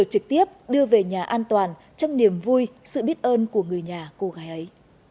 trực tiếp đưa về nhà an toàn trong niềm vui sự biết ơn của người nhà cô gái ấy